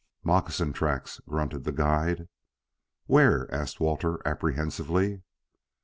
"Moccasin tracks," grunted the guide. "Where?" asked Walter, apprehensively.